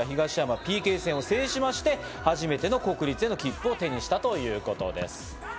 ＰＫ戦を制しまして初めての国立への切符を手にしたということです。